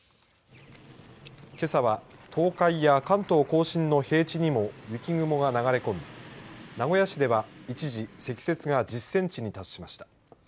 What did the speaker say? けさは東海や関東甲信の平地にも雪雲が流れ込み名古屋市では一時積雪が１０センチに達しました。